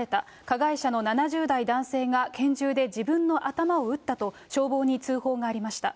加害者の７０代男性が拳銃で自分の頭を撃ったと、消防に通報がありました。